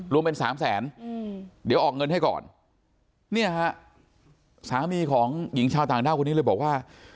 รวมเป็นสามแสนเดี๋ยวออกเงินให้ก่อนเนี่ยฮะสามีของหญิงชาวต่างด้าวคนนี้เลยบอกว่า